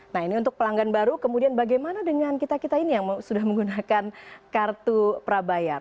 nah ini untuk pelanggan baru kemudian bagaimana dengan kita kita ini yang sudah menggunakan kartu prabayar